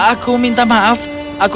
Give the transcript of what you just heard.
dia menyalinkan tangan aku